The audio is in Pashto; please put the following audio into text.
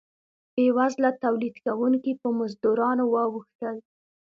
بیوزله تولید کوونکي په مزدورانو واوښتل.